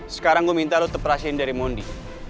sekarang gue minta lo tetep perasin dari mondi